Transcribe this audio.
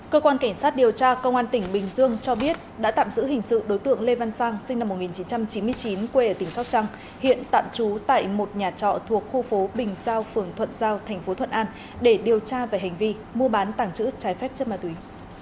cơ quan cảnh sát điều tra công an tỉnh bình dương cho biết đã tạm giữ hình sự đối tượng lê văn sang sinh năm một nghìn chín trăm chín mươi chín quê ở tỉnh sóc trăng hiện tạm trú tại một nhà trọ thuộc khu phố bình giao phường thuận giao thành phố thuận an để điều tra về hành vi mua bán tảng chữ trái phép chất ma túy